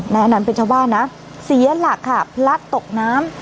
อันนั้นเป็นชาวบ้านนะเสียหลักค่ะพลัดตกน้ำ